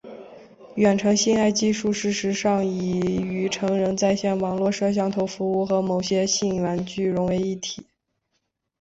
远程性爱技术事实上已与成人在线网络摄像头服务和某些性玩具融为一体。